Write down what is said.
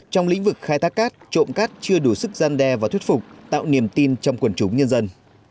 trong lĩnh vực khai thác cát trộm cát chưa đủ sức gian đe và thuyết phục tạo niềm tin trong quần chúng nhân dân